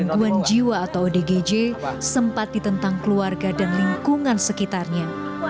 gangguan jiwa atau odgj sempat ditentang keluarga dan lingkungan sekitarnya